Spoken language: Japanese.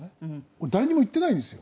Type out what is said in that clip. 俺誰にも言ってないんですよ。